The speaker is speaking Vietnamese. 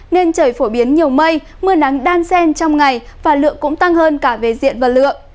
nên trời phổ biến nhiều mây mưa nắng đan sen trong ngày và lượng cũng tăng hơn cả về diện và lượng